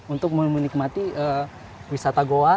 untuk memenikmati wisata goa